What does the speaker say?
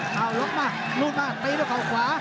โหโหนมาลูกมาตีลูกเอาขวา